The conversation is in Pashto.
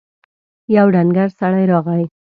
يو ډنګر سړی راغی.